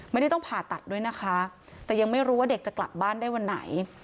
ไม่ได้ต้องผ่าตัดด้วยนะคะแต่ยังไม่รู้ว่าเด็กจะกลับบ้านได้วันไหน